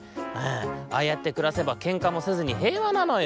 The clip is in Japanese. ああやってくらせばけんかもせずに平和なのよ。